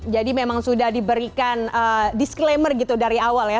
jadi memang sudah diberikan disclaimer gitu dari awal ya